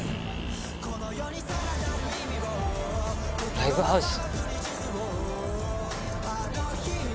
ライブハウス？